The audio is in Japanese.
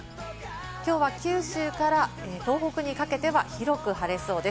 きょうは九州から東北にかけては広く晴れそうです。